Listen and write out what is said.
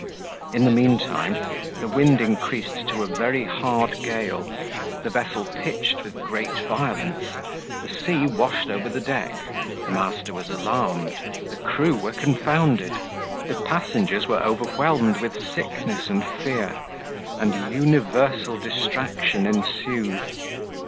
In the mean time the wind increased to a very hard gale, the vessel pitched with great violence, the sea washed over the deck, the master was alarmed, the crew were confounded, the passengers were overwhelmed with sickness and fear, and universal distraction ensued.